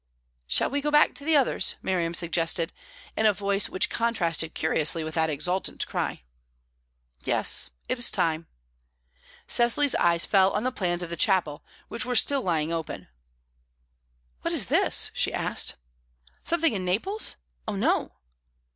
"Shall we go back to the others?" Miriam suggested, in a voice which contrasted curiously with that exultant cry. "Yes; it is time." Cecily's eyes fell on the plans of the chapel, which were still lying open. "What is this?" she asked. "Something in Naples? Oh no!"